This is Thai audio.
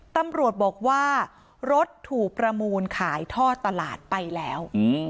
ตำรวจบอกว่ารถถูกประมูลขายท่อตลาดไปแล้ว